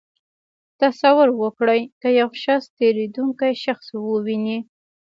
تصور وکړئ که یو شخص تېرېدونکی شخص وویني.